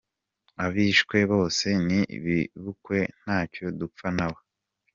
Abishwe bose ni bibukwe, ntacyo dupfa nabo.